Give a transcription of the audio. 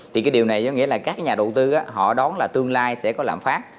thì cái điều này có nghĩa là các nhà đầu tư họ đón là tương lai sẽ có lạm phát